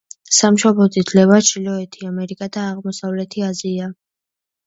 სამშობლოდ ითვლება ჩრდილოეთი ამერიკა და აღმოსავლეთი აზია.